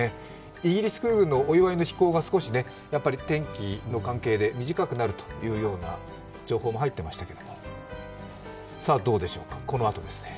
イギリス空軍のお祝いの飛行がやっぱり天気の関係で短くなるというような情報も入っていましたけれどもこのあとですね。